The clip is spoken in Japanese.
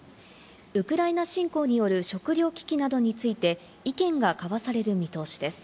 ウクライナ侵攻による食糧危機などについて、意見が交わされる見通しです。